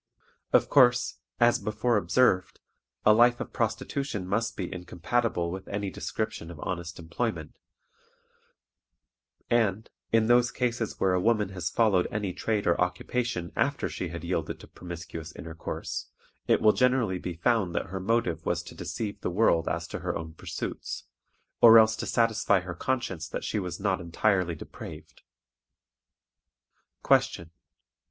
Of course, as before observed, a life of prostitution must be incompatible with any description of honest employment, and, in those cases where a woman has followed any trade or occupation after she had yielded to promiscuous intercourse, it will generally be found that her motive was to deceive the world as to her own pursuits, or else to satisfy her conscience that she was not entirely depraved. _Question.